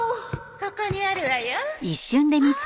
ここにあるわよ。